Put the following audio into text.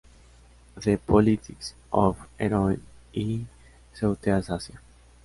The Politics of Heroin in Southeast Asia.